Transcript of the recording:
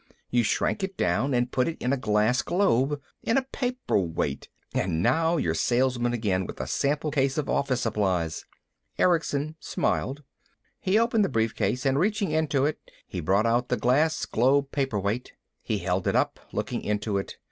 You shrank it down and put it in a glass globe, in a paperweight. And now you're salesmen again, with a sample case of office supplies!" Erickson smiled. He opened the briefcase and reaching into it he brought out the glass globe paperweight. He held it up, looking into it.